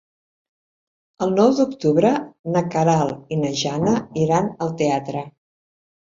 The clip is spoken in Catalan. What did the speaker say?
El nou d'octubre na Queralt i na Jana iran al teatre.